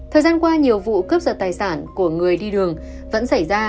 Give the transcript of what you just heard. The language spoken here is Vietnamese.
thời gian qua nhiều vụ cướp giật tài sản của người đi đường vẫn xảy ra